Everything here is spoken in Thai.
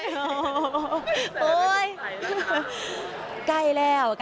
อทิศสเปมทัยแล้วค่ะ